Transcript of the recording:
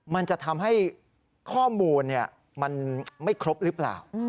มันจะทำให้ข้อมูลมันไม่ครบหรือเปล่า